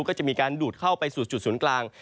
ก็จะมีการดูดเข้าไปสู่จุดศูนย์กลาง